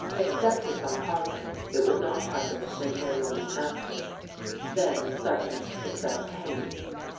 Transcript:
Accepted by Harper's, it was not published until long after. Then, suddenly, success came.